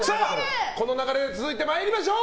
この流れで続いて参りましょう。